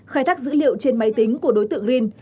khai thác dữ liệu trên máy tính của đối tượng rin